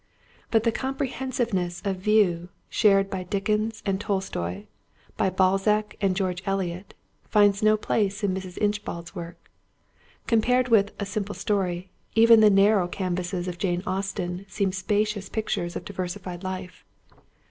But the comprehensiveness of view shared by Dickens and Tolstoy, by Balzac and George Eliot, finds no place in Mrs. Inchbald's work. Compared with A Simple Story even the narrow canvases of Jane Austen seem spacious pictures of diversified life.